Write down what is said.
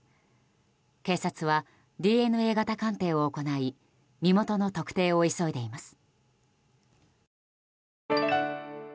警察は、ＤＮＡ型鑑定を行い身元の特定を急いでいます。